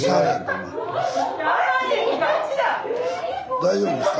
大丈夫ですか？